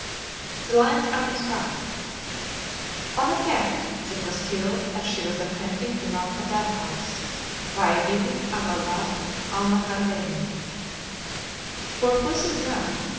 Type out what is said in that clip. The lines are inscribed, ON A CAT THAT WAS KILLED AS SHE WAS ATTEMPTING TO ROB A DOVE HOUSE BY IBN ALALAF ALNAHARWANY Poor Puss is gone!